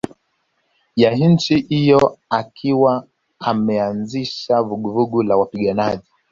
ya nchi hiyo akiwa ameanzisha vuguvugu la wapiganaji